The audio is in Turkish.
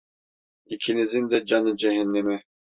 İkinizin de canı cehenneme.